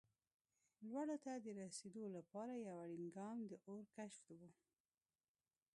لوړو ته د رسېدو لپاره یو اړین ګام د اور کشف و.